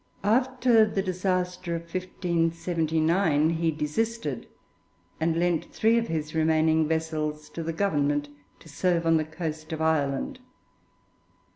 After the disaster of 1579 he desisted, and lent three of his remaining vessels to the Government, to serve on the coast of Ireland.